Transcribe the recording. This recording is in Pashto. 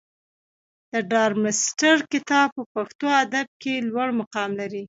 د ډارمستتر کتاب په پښتو ادب کښي لوړ مقام لري.